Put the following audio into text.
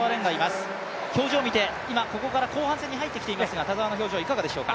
表情を見て、今、ここから後半戦に入ってきていますが、田澤の表情はいかがでしょうか。